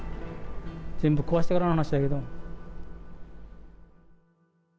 全部壊してからの話だけど。